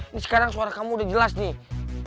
ini sekarang suara kamu udah jelas nih